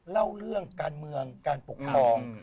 เล่าเรื่องการเมืองการปกครอง